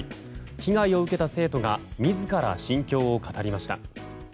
被害を受けた生徒が自ら心境を語りました。